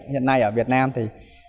hiện nay ở việt nam thì